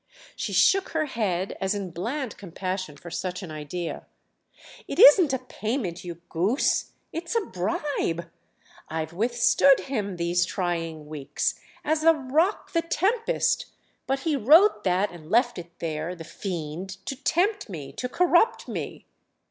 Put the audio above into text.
She shook her head as in bland compassion for such an idea. "It isn't a payment, you goose—it's a bribe! I've withstood him, these trying weeks, as a rock the tempest; but he wrote that and left it there, the fiend, to tempt me—to corrupt me!"